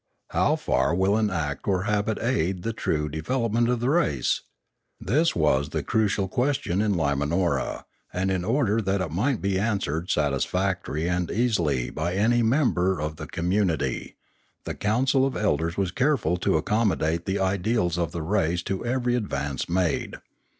How far will an act or habit aid the true de velopment of the race ? This was the crucial question in Limanora; and in order that it might be answered satisfactorily and easily by any member of the commun ity, the council of elders was careful to accommodate the ideals of the race to every advance made.